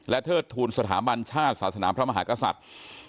เทิดทูลสถาบันชาติศาสนาพระมหากษัตริย์